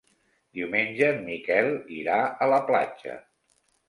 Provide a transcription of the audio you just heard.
Diumenge en Miquel irà a la platja.